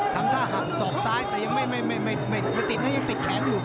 ทำท่าหักศอกซ้ายแต่ยังไม่ติดนะยังติดแขนอยู่